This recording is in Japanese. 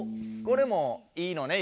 これもいいのね？